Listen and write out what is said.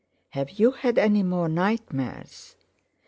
"Have you had any more nightmares?"